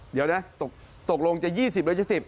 เดี๋ยวนะตกลงจะ๒๐หรือจะ๑๐